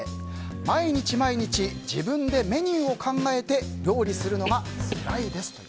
毎日毎日自分でメニューを考えて料理するのがつらいですと。